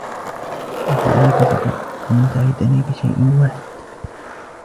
أنتً عليكَ فقط أن تعدُني بشيء واحد.